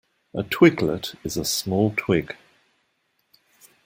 A twiglet is a small twig.